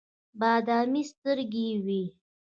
بادامي سترګې یې وې.